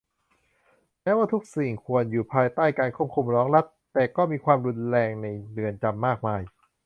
แม้ว่าทุกสิ่งควรอยู่ภายใต้การควบคุมของรัฐ แต่ก็มีความรุนแรงในเรือนจำมากมาย